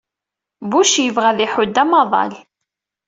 Bush yebɣa ad iḥudd amaḍal.